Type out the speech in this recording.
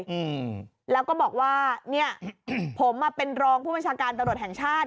อืมแล้วก็บอกว่าเนี้ยอืมผมอ่ะเป็นรองผู้บัญชาการตำรวจแห่งชาติ